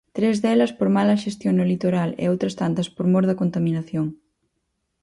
Tres delas por mala xestión no litoral e outras tantas por mor da contaminación.